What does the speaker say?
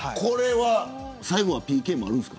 最後はＰＫもあるんですか。